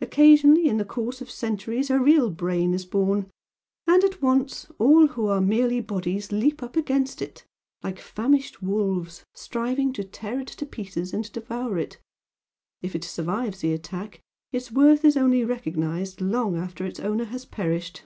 Occasionally, in the course of centuries a real Brain is born and at once, all who are merely Bodies leap up against it, like famished wolves, striving to tear it to pieces and devour it if it survives the attack its worth is only recognised long after its owner has perished.